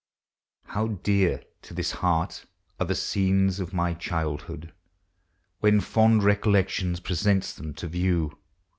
How dear to this heart are the scenes of my child hood, When fond recollection presents them to view!